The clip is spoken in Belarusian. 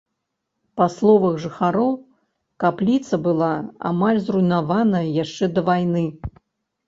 Па словах жыхароў, капліца была амаль зруйнавана яшчэ да вайны.